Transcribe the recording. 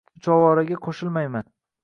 Uchovoraga qo‘shilmaydi